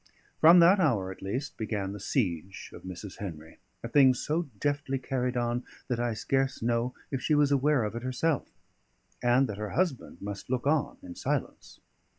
From that hour, at least, began the siege of Mrs. Henry; a thing so deftly carried on that I scarce know if she was aware of it herself, and that her husband must look on in silence.